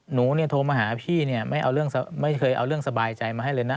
หนูเนี่ยโทรมาหาพี่เนี่ยไม่เคยเอาเรื่องสบายใจมาให้เลยนะ